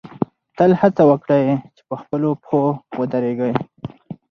تل هڅه وکړئ چې په خپلو پښو ودرېږئ.